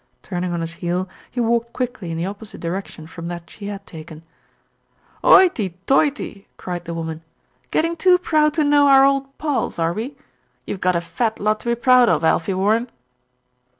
Turning on his heel, he walked quickly in the opposite direction from that she had taken. "Hoity toity!" cried the woman. "Getting too SMITH ACQUIRES REACH ME DOWNS 149 proud to know our old pals, are we. You've got a fat lot to be proud of, Alfie Warren."